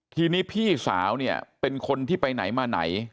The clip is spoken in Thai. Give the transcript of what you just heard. ทีนี้พี่สาวเนี่ยเป็นคนที่ไปไหนมาไหน